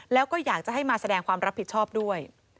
แล้วก็อยากจะให้มาแสดงความรับผิดชอบด้วย